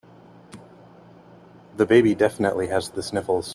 The baby definitely has the sniffles.